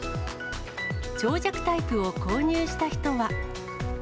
長尺タイプを購入した人は。